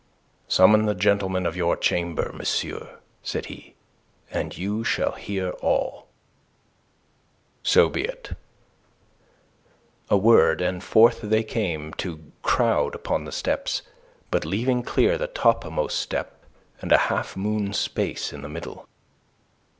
"Summon the gentlemen of your Chamber, monsieur," said he, "and you shall hear all." "So be it." A word, and forth they came to crowd upon the steps, but leaving clear the topmost step and a half moon space in the middle.